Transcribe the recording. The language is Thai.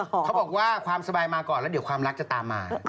เขาบอกว่าความสบายมาก่อนแล้วเดี๋ยวความรักจะตามมา